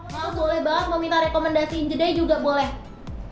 mau sulit banget mau minta rekomendasiin jedai juga boleh